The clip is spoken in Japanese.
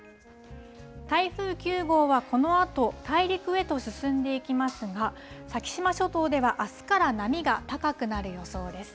台風９号はこのあと大陸へと進んでいきますが、先島諸島ではあすから波が高くなる予想です。